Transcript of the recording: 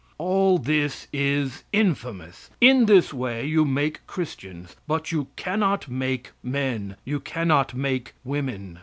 All this is infamous. In this way you make Christians, but you cannot make men; you cannot make women.